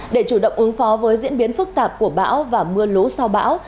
để chủ động ứng phó với diễn biến phức tạp của bão và mưa lũ sau bão